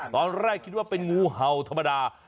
ตอนแรกคิดว่าเป็นงูเห่าธรรมดา